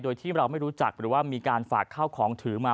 โดยที่เราไม่รู้จักหรือว่ามีการฝากข้าวของถือมา